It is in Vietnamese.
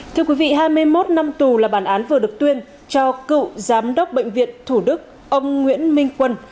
thưa quý vị hai mươi một năm tù là bản án vừa được tuyên cho cựu giám đốc bệnh viện thủ đức ông nguyễn minh quân